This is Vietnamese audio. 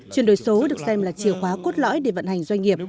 chuyển đổi số được xem là chìa khóa cốt lõi để vận hành doanh nghiệp